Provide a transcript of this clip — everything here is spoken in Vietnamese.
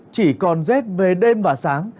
chỉ còn rét về đêm và sáng